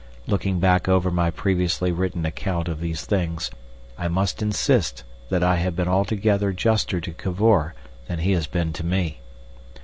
Looking back over my previously written account of these things, I must insist that I have been altogether juster to Cavor than he has been to me.